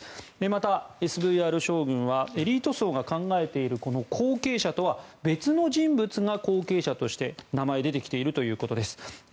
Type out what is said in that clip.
またＳＶＲ将軍はエリート層が考えているこの後継者とは別の人物が後継者として名前が出てきているということです。